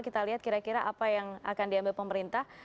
kita lihat kira kira apa yang akan diambil pemerintah